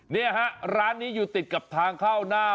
นี่ฮะร้านนี้อยู่ติดกับทางเข้าหน้า